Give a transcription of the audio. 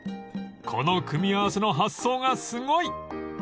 ［この組み合わせの発想がすごい！］